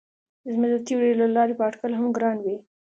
زموږ د تیورۍ له لارې به اټکل هم ګران وي.